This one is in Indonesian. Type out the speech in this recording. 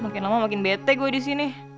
makin lama makin bete gua disini